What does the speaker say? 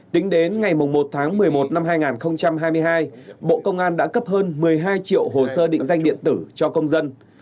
tính đến ngày một tháng một mươi một năm hai nghìn hai mươi hai bộ công an đã cấp hơn một mươi hai triệu hồ sơ định danh điện tử cho công dân